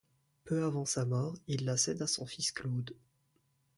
Peu avant sa mort, il la cède à son fils Claude.